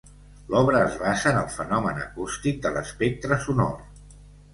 L'obra es basa en el fenomen acústic de l'espectre sonor.